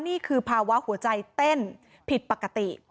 นี่คือภาวะหัวใจเต้นผิดปกติ